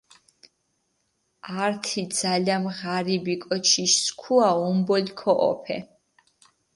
ართი ძალამი ღარიბი კოჩიში სქუა ომბოლი ქოჸოფე.